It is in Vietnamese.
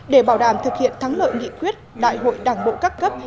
để bảo đảm thực hiện thắng lợi nghị quyết đại hội đảng bộ các cấp